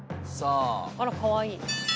「あらかわいい」